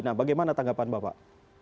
nah bagaimana tanggapan bapak